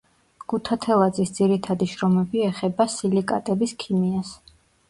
ქუთათელაძის ძირითდი შრომები ეხება სილიკატების ქიმიას.